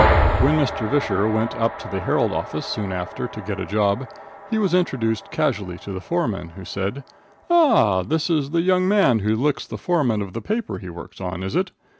When Mr. Visscher went up to the Herald office soon after to get a job, he was introduced casually to the foreman, who said: "Ah, this is the young man who licks the foreman of the paper he works on, is it?